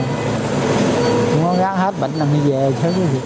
nhưng không dám hết bệnh là mình về chứ